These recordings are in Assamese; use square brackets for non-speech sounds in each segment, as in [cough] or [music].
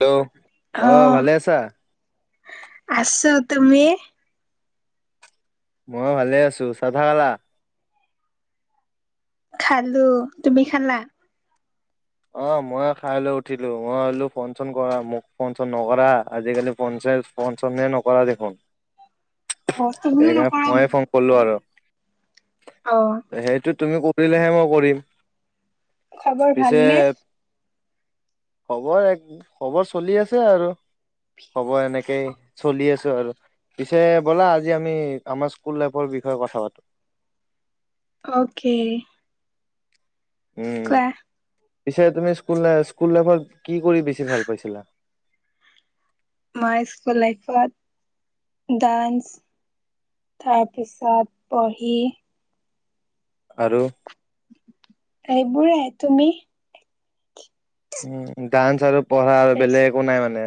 হেল্ল' অ', ভালে আছা আছোঁ তুমি। মই ভালে আছো চাহ থা খালা? খালোঁ, তুমি খালা? অ', মই খাই লৈ উঠিলোঁ মই হলো ফোন চোন কৰা মোক ফোন চোন নকৰা আজিকালি ফোনচেলফ ফোন চোন এ নকৰা দেখোন। [unintelligible] তুমিও সেইকাৰণে নকৰা মইয়ে নেকি? ফোন কৰিলোঁ আৰু অ', সেইটো তুমি কৰিলেহে মই কৰিম। খবৰ পিছে, ভালনে? খবৰ এক খবৰ চলি আছে আৰু হ'ব এনেকেই চলি আছো আৰু। পিছে ব'লা আজি আমি আমাৰ স্কুল লাইফৰ বিষয়ে কথা পাতো। অকে। উম কোৱা পিছে তুমি স্কুল-স্কুল লাইফত কি কৰি বেছি ভাল পাইছিলা। মই স্কুল লাইফত ডান্স তাৰপিছত পঢ়ি আৰু এইবোৰে তুমি? উম' ডান্স আৰু পঢ়া আৰু বেলেগ একো নাই মানে?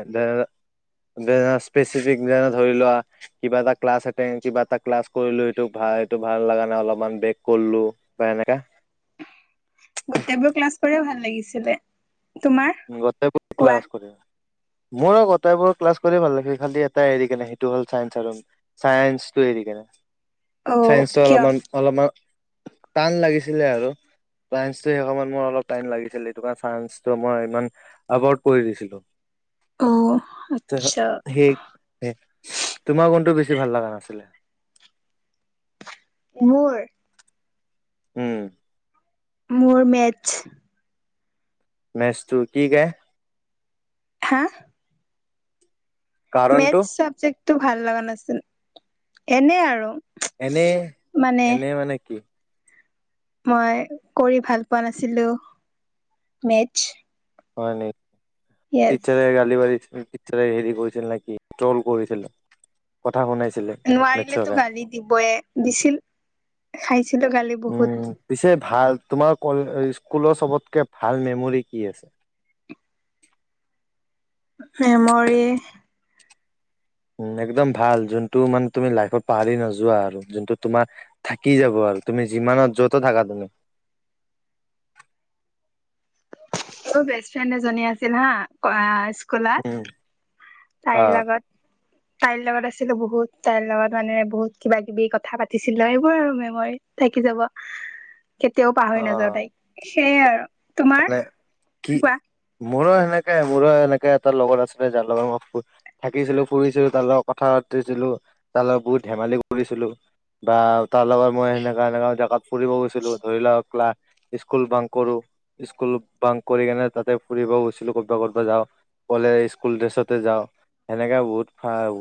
যে স্পেচিফিক যেনে ধৰি লোৱা। কিবা এটা ক্লাছ এটেন, কিবা এটা ক্লাছ কৰিলোঁ, সেইটো সেইটো ভাল লগা নে অলপমান ব্ৰেক কৰিলোঁ। কিবা এনেকা। গোটেইবোৰ ক্লাছ কৰিয়ে ভাল লাগিছিলে। তোমাৰ? গোটেইবোৰ কোৱা। ক্লাছ কৰে। মোৰো গোটাইবোৰ ক্লাছ কৰি ভাল লাগে, খালি এটা এৰি কেনে সেইটো হ'ল চাইঞ্চ আৰু চায়ন্সটো এৰি কি, অ', চায়ন্সটো কিয়? অলপমান, অলপমান। টান লাগিছিলে আৰু চাইঞ্চটো সেই সময়ত মোৰ অলপ টাইম লাগিছিলে, সেইটো কাৰণে চাইঞ্চটো মই আবৰ্ড কৰি দিছিলো। অ', আচ্ছা সেই তোমাৰ কোনটো বেছি ভাল লগা নাছিলে? মোৰ? উম। মোৰ মেথছ। মেথছটো কি গাই? হা? কাৰণটো মেথছ চাবজেক্টটো ভাল লগা নাছিল, এনে আৰু। এনে, মানে এনে মানে কি? মই কৰি ভাল পোৱা নাছিলো, মেথছ। হয় নি, য়েছ টিচৰে গাত হেৰি কৰিছিল নেকি, ট্ৰল কৰিছিল, কথা শুনাইছিলে। নোৱাৰিলেতো মেথছৰে গালি দিবই, দিছিল খাইছিলোঁ গালি। বহুত উম' পিছে ভাল, তোমাৰ ক স্কুলৰ চবতকে ভাল মেমৰি কি আছে? মেমৰি। উম' একদম ভাল যোনটো মানে তুমি লাইফত পাহৰি নোযোৱা আৰু যোনটো তোমাৰ থাকি যাব আৰু তুমি যিমানত য'তো থাকা তুমি। মোৰ বেষ্টফ্ৰেণ্ড এজনী আছিল হা, স্কুলত। উম। অ তাইৰ লগত। তাইৰ লগত আছিলো বহুত, তাইৰ লগত মানে বহুত কিবা কিবি কথা পাতিছিলোঁ, এইবোৰ আৰু মেমৰি। থাকি যাব, কেতিয়াও অ পাহৰি নাযাও তাইক, সেয়ে আৰু। তোমাৰ মানে কি কোৱা মোৰো সেনেকে, মোৰো এনেকে এটা লগৰ আছিলে, যাৰ লগত মই থাকিছিলো ফুৰিছিলো তাৰ লগত কথা পাতিছিলো, তাৰ লগত বহুত ধেমালি কৰিছিলোঁ। বা তাৰ লগত মই এনেকা এনেকা ফুৰিব গৈছিলো, ধৰি লোৱা ক্লা, স্কুল বাং কৰো। স্কুল বাং কৰি কেনে তাতে ফুৰিব গৈছিলোঁ, কতবা কতবা যাওঁ। গলে স্কুল ড্ৰেছতে যাওঁ। সেনেকা বহুত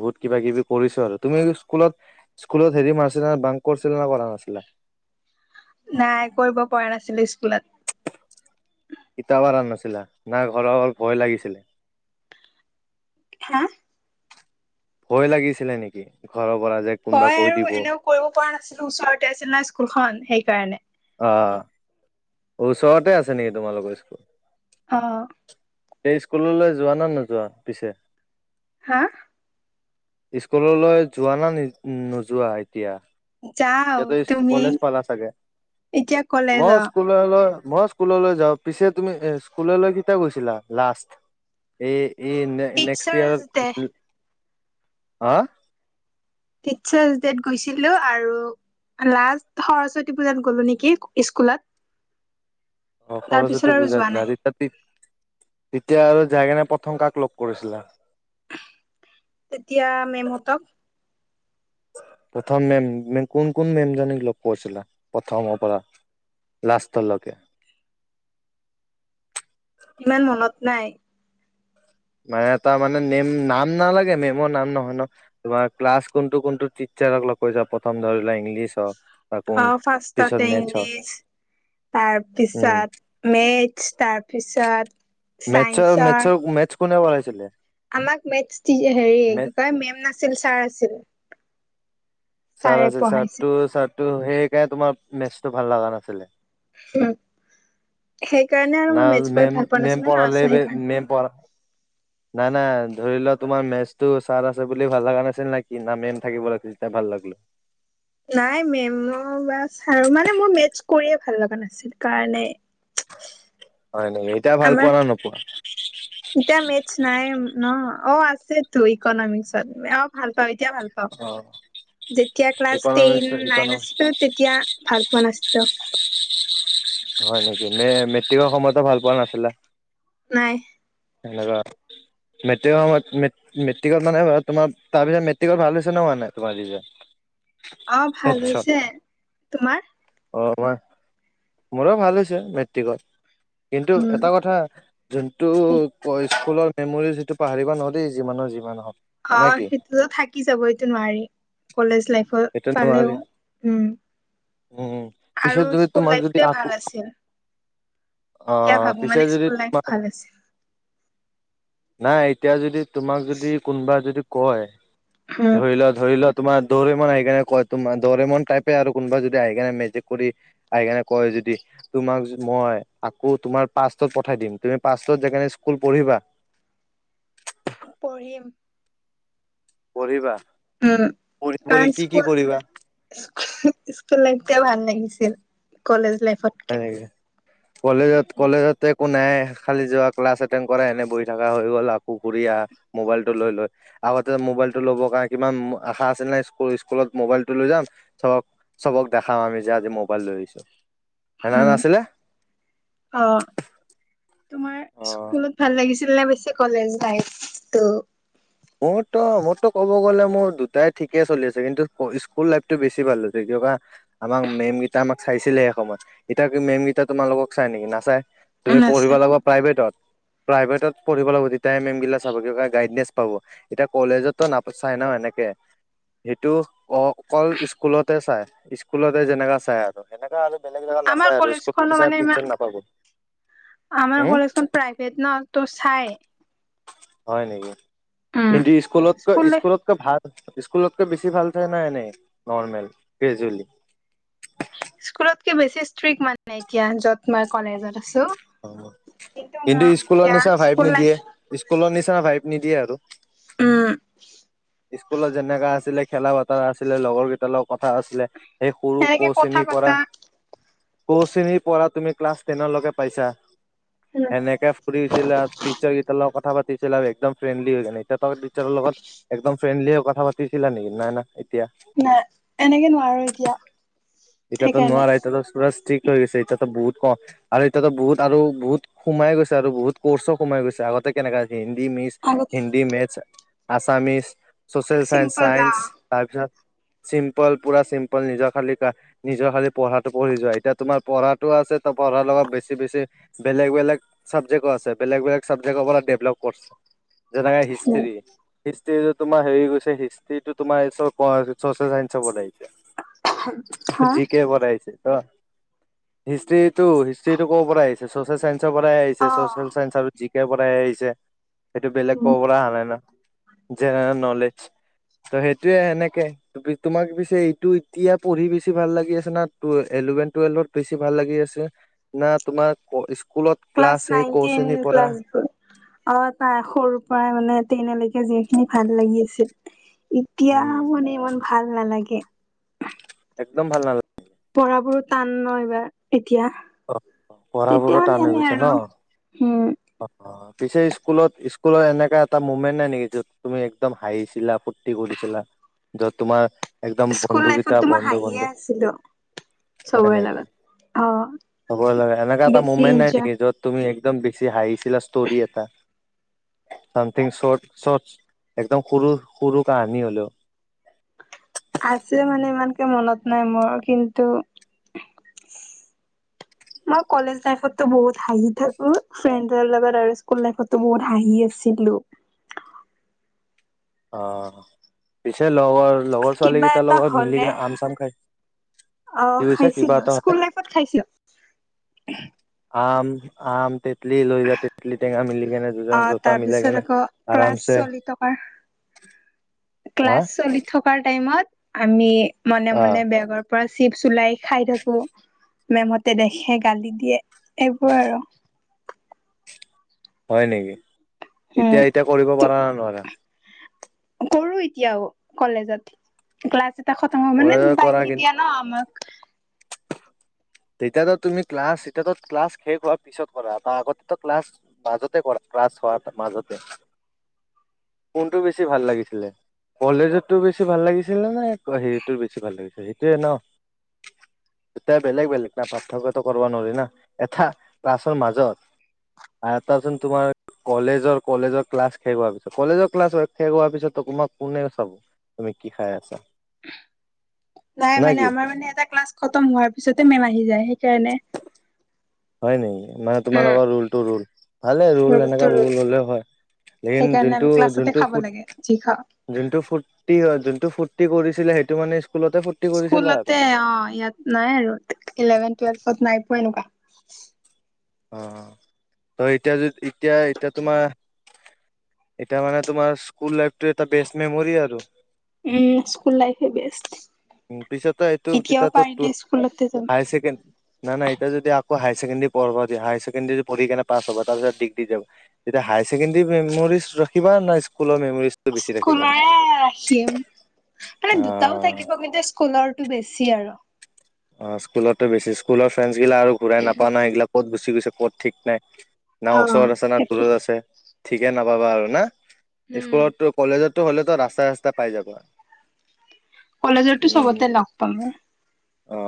বহুত কিবা কিবি কৰিছো আৰু, তুমি স্কুলত স্কুলত হেৰি মাৰছিলা, বাংক কৰিছিলা না কৰা নাছিলা? নাই কৰিব পৰা নাছিলো স্কুলত। কিতাপ আনা নাছিলা, না ঘৰত ভয় লাগিছিলে? হা? ভয় লাগিছিলে নেকি, ঘৰৰ পৰা যে কোনোবা তই কৈ আৰু দিব এনেও কৰিব পৰা নাছিলো, ওচৰতে আছিল ন স্কুলখন, সেইকাৰণে। অ। ওচৰতে আছে নেকি তোমালোকৰ ইস্কুল? অ'। এই স্কুললৈ যোৱা নে নোযোৱা পিছে? হা? ইস্কুললৈ যোৱা না নোযোৱা এতিয়া? যাও এতে তুমি কলেজ পালা চাগে? এতিয়া মচ কলেজত স্কুললৈ, মই স্কুললৈ যাওঁ। পিছে তুমি স্কুললৈ কিটা গৈছিলা লাষ্ট? এ এই নে নেক্সট টিচাৰ্চ ইয়াৰত, ডে হা? টিটচাৰ্চ ডেত গৈছিলোঁ আৰু লাষ্ট সৰস্বতী পূজাত গ'লো নেকি ইস্কুলত। অ', সৰস্বতী পূজাৰ দিনা। ৰিত্যাতিত তেতিয়া আৰু যায় কেনে প্ৰথম কাক লগ কৰিছিলা? তেতিয়া মেম হ'তক। প্ৰথম মেম- কোন কোন মেম জনীক লগ কৰিছিলা প্ৰথমৰ পৰা। লাষ্টলকে। ইমান মনত নাই। মানে তাৰ মানে নেম নাম নালাগে, মেমৰ নাম নহয় ন'। তোমাৰ ক্লাছ কোনটো কোনটো টিটচাৰক লগ কৰি যা প্ৰথম। ধৰি লোৱা ইংলিছ হওঁক। অ, ফাৰ্ষ্টতে ইংলিছ, উম তাৰপিছত মেতছ তাৰপিছত মেতচৰ চাইন্সৰ মেতচৰ মেতচ কোনে পঢ়াইছিলে? আমাক মেথছ তি হেৰি মেথ কি কয়- মেম নাছিল ছাৰ আছিল। ছাৰ ছাৰে আছিল, পঢ়াইছিল ছাৰটো ছাৰটো সেইকাৰণে তোমাৰ মেচটো ভাল লাগা নাছিল। [unintelligible] সেইকাৰণে আৰু না মই মেথছ কৰি মেম ভাল পোৱা মেম নাছিলো ন চ পঢ়ালে বে সেইকাৰণে মেম পঢ়া নাই, নাই। ধৰি লোৱা তোমাৰ মেচটো চাৰ আছে বুলি ভাল লাগা নাছিল নে কি? না মেম থাকিব লাগছিল তিটা ভাল লাগিল। নাই মেম বা চাৰু মানে মোৰ মেটছ কৰিয়ে ভাল লগা নাছিল কাৰণে। [unintelligible] হয় নেকি। এতিয়া ভাল পোৱা আমাৰ না নোপোৱা? এতিয়া মেথছ নাইএ ন', অ' আছেতো ইকনমিকসত। অ' ভাল পাওঁ এতিয়া ভাল পাওঁ। অ যেতিয়া class ten economics nine economics আছিলোঁ তেতিয়া ভাল পোৱা নাছলোঁ। হয় নেকি। এ মেট্ৰিকৰ সময়তো ভাল পোৱা নাছিলা? নাই। লাগা মেট্ৰিক সময়ত মেট মেট্ৰিকত মানে তোমাৰ তাৰপিছত মেট্ৰিকত ভাল হৈছে ন', মানে তোমাৰৰিজাল্ট অ', ভাল হৈছে। তোমাৰ? অ, তোমাৰ মোৰো ভাল হৈছে মেট্ৰিকত। কিন্তু উম এটা কথা যোনটোত কৈ স্কুলৰ মেমৰিজ ইটো পাহৰিব নৰি, যিমানৰ যিমান হওঁক। অ' সিটোয়ো থাকি যাব, সেইটো নোৱাৰি। কলেজ লাইফৰ সেইটো পালেও, নোৱাৰি উম। উম পিছে আৰু যদি স্কুল তোমাক যদি লাইফটোৱে আকৌ ভাল আছিল। অ এতিয়া ভাবো পিছে মানে যদি স্কুল লাইফ তোমাক ভাল আছে। নাই এতিয়া যদি তোমাক যদি কোনোবা যদি কয়' উম ধৰি লোৱা ধৰি ল তোমাৰ দৌৰি মন আহি কেনে কয় 'দৌৰে মন টাইপে আৰু কোনোবা যদি আহিনে মেজিক কৰি আইকাৰণে কয় যদি তোমাক মই আকৌ তোমাৰ পাচত'ত পঠাই দিম। তুমি পা যেকানে স্কুল পঢ়িবা' পঢ়িম। পঢ়িবা' উম কাৰণ কৰি কি কি স্কুল কৰিবা? স্কুল লাইফ টয়া ভাল লাগিছিল' কলেজ লাইফত। হয় নেকি? কলেজত কলেজজে একো নাই' খালি যোৱা ক্লাছ এটেণ্ড কৰা এনে বহি থকা হৈ গ'ল' আকৌ ঘুৰি আহ। মোবাইল টো লৈ লৈ। আগতে মোবাইলটো লবৰ কাৰণে কিমান আশা আছিল নাই' স্কোল স্কুলত মোবাইলটো লৈ যাম। তাপা চবক দেখাম আমি যে' আজি মোবাইল লৈ আহিছো। সেনে উ' নাছিলে অ' তোমাৰ অ স্কুলত ভাল লাগিছে স্কুল নে বেছি কলেজ লাইফ তো মোৰতো মোৰতো ক'ব গ'লে মোৰ দুটাই ঠিকে চলি আছে কিন্তু স্কুল লাইফটো বেছি ভাল হৈছে কিবা আমাক মেমকেইটা আমাক চাইছিলে সেই সময়ত। এতিয়া কি মেমকেইটা তোমালোকক চাই নেকি! নাচাই? তুমি পঢ়িব আছে লাগে প্ৰাইভেটত' প্ৰাইভেটত পঢ়িব লাগিব যেতিয়া মেম বিলাক চাব গাইড পাব এতিয়া কলেজতো নাপচাই ন' এনেকে। সেইটো অ অকল স্কুলতে চাই' স্কুলতে যেনেকা চাই আৰু। সেনেকা আৰু বেলেগ জেগাত আমাৰ নাচায় আৰু কলেজখনো স্কুল মানে ইমান টিচাৰ নাপাবি। আমাৰ উম? কলেজখন প্ৰাইভেট ন টো' চাই। হয় নেকি? উম কিন্তু স্কুলতকৈ স্কুল স্কুলতকৈ ভাল স্কুলতকে বেছি ভাল চায় নাই এনেই নৰ্মেল, গ্ৰেজুৱেলি। স্কুলতকে বেছি ষ্ট্ৰিক্ট মানে এতিয়া যত মাক। কলেজত আছো' কিন্তু মোৰ স্কুলৰ নিচিনা এতিয়া ভাইব স্কুল নিদিয়ে লাইফ স্কুলৰ নিচিনা গাইদ নিদিয়ে আৰু। উম' স্কুলত যেনেকা আছিলে খেলাত ক আছিলে লগৰ কেইটাৰ লগত কথা আছিলে, সেই সৰু এনেকে কৌ কথা শ্ৰেনীৰ পৰা পতা কোৰু শ্ৰেণীৰ পঢ়া তুমি ক্লাছ টেনৰলৈকে পাইছা' উম সেনেকে ফুৰিছিলা টিচাৰ কেইটাৰ লগত কথা পাতিপেলাই আৰু একদম ফ্ৰণ্ডলি হৈ এতিয়া তো টিচাৰৰ লগত একদম ফ্ৰেণ্ডলি হৈ কথা পাতিছিলা নেকি নাই না এতিয়া। নাই এনেকে নোৱাৰো এতিয়া। এতিয়াতো সেইকাৰণে নোৱাৰাই এতিয়াতো চুৰা ষ্ট্ৰিক হৈ গৈছে এতিয়াতো বহুত কম। আৰু এতিয়াতো বহুত আৰু বহুত সোমাই গৈছে আৰু বহুত কোৰ্চো সোমাই গৈছে। আগতে কেনেকা হিন্দী মিচ আগত হিন্দী, মেতছ, আছামিছ, চচিয়েল চাই, চাইন্স তাৰপিছত চিম্পল, পুৰা চিম্পল নিজৰ খালি কা নিজৰ খালি পঢ়াটো পঢ়ি যোৱা, এতিয়া তোমাৰ পঢ়াটো আছে তো পঢ়াৰ লগত বেছি বেছি বেলেগ বেলেগ চাবজেকও আছে বেলেগ বেলেগ চাবজেক্টৰ পৰা ডেভলপ কৰছ যেনেকা হিষ্ট্ৰি হিষ্ট্ৰি তোমাৰ হেৰি গৈছে হিষ্ট্ৰিটো তোমাৰ ছচিয়েল চাইঞ্চ হ'ব লাগিছে। হম্ জি কে পঢ়াইছে ত' হিষ্ট্ৰিটো হিষ্ট্ৰিটো কৰ পৰা আহিছে? ছচিয়েল চাইন্সৰ পৰাই আহিছে' অ ছচিয়েল চাইন্স আৰু জি কে পৰাই আহিছে। সেইটো বেলেগ ক'ব পৰা আহা নাই ন, জেনেৰেল নলেজ ত সেইটোয়ে সেনেকে তি তোমাক পিছে এইটো এতিয়া পঢ়ি পিছে ভাল লাগি আছে না ইলেভেন টুৱেলভত বেছি ভাল লাগি আছে না তোমাৰ স্কুলত ক্লাছ সেই নাইন টেন কচেনীৰ পৰা ক্লাছবোৰ অ তাৰ সৰু পৰাই মানে তেন লৈকে যিখিনি ভাল লাগি আছিল। এতিয়া উম মানে ইমান ভাল নালাগে। একদম ভাল নালাগে। পঢ়া বোৰো টান ন এইবাৰ এতিয়া। তেতিয়া পঢ়াবোৰো মানে টান হৈ এনে গৈছে ন আৰু উম অ পিছে স্কুলত স্কুলৰ এনেকা এটা মুমেন্ট নাই নেকি যত তুমি একদম হাঁহিছিলা ফূুৰ্তি কৰিছিলা। যত তোমাৰ একদম স্কুল লাইফত বন্ধুকেইটা তো মই বন্ধু হাঁহিয়ে বন্ধু আছিলো হয় চবৰে নেকি লগত অ হ'ব লাগে এনেকুৱা এটা বেছি মুমেণ্ট নাই ইনজয় নেকি য'ত তুমি একদম বেছি হাঁহিছিলা ষ্টৰি এটা চামথিং চৰ্ট চৰ্ট একদম সৰু সৰু কাহানি হলেও। আছে মানে ইমানকে মনত নাই মোৰ কিন্তু মই কলেজ লাইফতো বহুত হাই থাকো ফ্ৰেডৰ লগত আৰু স্কুল লাইফত বহুত হাঁহি আছিলো। অ পিছে লগৰ লগৰ কিবা ছোৱালীকেইটাৰ এটা লগৰ হলে মিলিকনে আম চাম খাই অ কি কৈছা কিবা খাইছিলো এটা হলে স্কুল লাইফত খাইছিলো। আম আম ইটলি লৈ যা ইটলি টেঙা মিলি কেনে দুজন দুটা মিলাই কেনে আৰামছে টকাৰ হা ক্লাছ চলি থকা টাইমত আমি মনে অ মনে বেগৰ পৰা চিপছ ওলাই খাই থাকো মেমহতে দেখে গালি দিয়ে এইবোৰ আৰু হয় নেকি উম এতিয়া এতিয়া কৰিব পৰা নাই নোৱাৰা। কৰো এতিয়াও কলেজত ক্লাছ এটা খতম হ কৰা মানে কৰা কিন্তু ন আমাক তেতিয়াতো তুমি ক্লাছ তেতিয়াতো ক্লাছ শেষ হোৱাৰ পিছত কৰা আগতো ক্লাছ মাজতে কৰা ক্লাছ হ মাজতে, কোনটো বেছি ভাল লাগিছিলে? কলেজতো বেছি ভাল লাগিছিলে নে হেৰিতটো বেছি ভাল লাগিছিল সেইটোয়ে ন দুইটায়ে বেলেগ বেলেগ। পাৰ্থক্যটো কৰিব নোৱাৰি না, এটা ক্লাছৰ মাজত এটা যোন তোমাৰ কলেজৰ কলেজৰ ক্লাছ শেষ হোৱাৰ পিছত কলেজৰ ক্লাছ শেষ হোৱাৰ পিছত তোমাক কোনে চাব। তুমি কি খাই আছা‌? নাই মানে আমাৰ মানে এটা ক্লাছ খতম হোৱাৰ পিছতে মেম আহি যায় সেইকাৰণে হয় নেকি মানে তোমালোকৰ ৰুলটো ৰোল ভালে আৰো ৰুলটো অনেকা ৰুল ৰোল হল লেখিন সেইকাৰণে আমি যোনটো ক্লাছতে যোনটো খাব ফুট- লাগে যি খাওঁ যোনটো ফূৰ্তি হয় যোনটো ফূৰ্তি কৰিছিলে সেইটো মানে স্কুলতে কৰিছিলা আৰু। স্কুলতে অ ইয়াত নাই আৰু ইলেভেন টুৱেলভত নাই পোৱা এনেকুৱা অ ত এতিয়া য এতিয়া এতিয়া তোমাৰ এতিয়া মানে তোমাৰ স্কুল লাইফটোৱে এটা বেষ্ট মেমৰি আৰু উম স্কুল লাইফে বেষ্ট উ পিছতে এইটো এতিয়াও তেতিয়াতো টো পাৰিলে স্কুলতে যাম হায় ছেকেণ্ড নাই নাই এতিয়া যদি আকৌ হাইছেকেণ্ডেৰী পঢ়বা দিয়ে হাই ছেকেণ্ডৰী পঢ়ি কিনে পাছ হব তাৰ পিছত ডিগ্ৰী যাব এতিয়া হায়াৰ ছেকেণ্ডেৰী মমৰিজ ৰাখিবা না স্কুলৰ মেমৰিজটো বেছি ৰাখিবা? স্কুলৰে ৰাখিম মানে দুটাও অ' থাকিব কিন্তু স্কু সোণৰ টো বেছি আৰু। অ, স্কুলতো বেছি, স্কুলৰ ফ্ৰেণ্ডছগিলা আৰু ঘূৰাই নাপাও না, এইগিলা ক'ত গুচি গৈছে ক'ত ঠিক নাই। না অ ওচৰত আছে, না সেইটো দূৰত আছে, ঠিকে নাপাবা আৰু না, স্কুলতো কলেজতো হ'লেতো ৰাস্তাই- ৰাস্তাই পাই যাবা। কলেজৰতো উম। চবতে লগ পাবা। অ,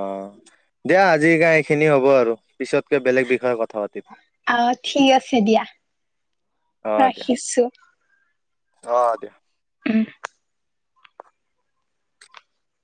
দিয়া আজিকা এইখিনি হ'ব আৰু। পিছতকে বেলেগ বিষয়ে কথা পাতিম। অ, ঠিক আছে দিয়া, অ', দিয়া। ৰাখিছো। অ, দিয়া। উম।